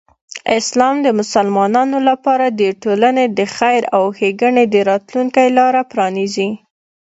اسلام د مسلمانانو لپاره د ټولنې د خیر او ښېګڼې د راتلوونکی لاره پرانیزي.